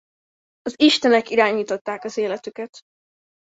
Az istenek irányították az életüket.